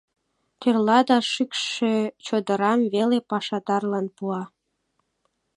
— Тӧрла да шӱкшӧ чодырам веле пашадарлан пуа.